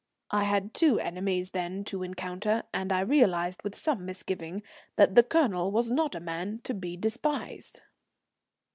I had two enemies then to encounter, and I realized with some misgiving that the Colonel was not a man to be despised.